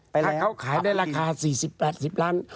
ถ้าเขาขายได้ราคา๔๐๘๐ล้าน